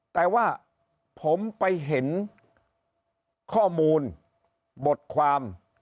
แต่ว่าผมไปเห็นข้อมูลบทความ